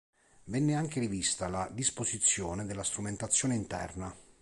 Venne anche rivista la disposizione della strumentazione interna.